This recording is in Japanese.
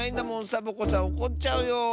サボ子さんおこっちゃうよ。